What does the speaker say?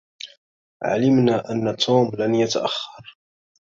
علمنا أن توم لن يتأخر.